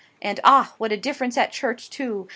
And ah! what a difference at Church too!